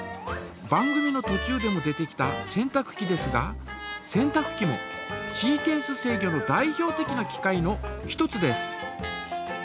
番組のとちゅうでも出てきた洗濯機ですが洗濯機もシーケンス制御の代表的な機械の一つです。